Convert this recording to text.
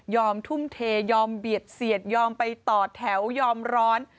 ทุ่มเทยอมเบียดเสียดยอมไปต่อแถวยอมร้อน